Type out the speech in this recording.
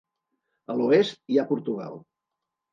A l'oest hi ha Portugal.